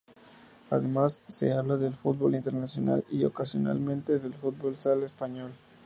Además, se habla del fútbol internacional y, ocasionalmente, del fútbol sala español.